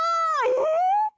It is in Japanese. えっ！？